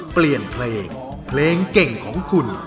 เปลี่ยนเพลงเพลงเก่งของคุณ